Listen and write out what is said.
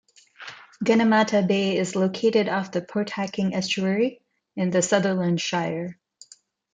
Gunnamatta Bay is located off the Port Hacking estuary, in the Sutherland Shire.